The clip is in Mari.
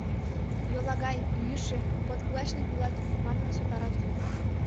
«Йолагай, йӱшӧ, подкулачник улат», — манын сотарат.